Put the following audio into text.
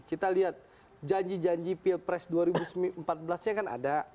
kita lihat janji janji pilpres dua ribu empat belas nya kan ada